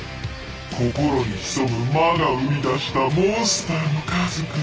心に潜む魔が生み出したモンスターの数々。